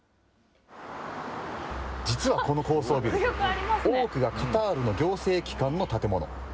実は、この高層ビル多くがカタールの行政機関の建物。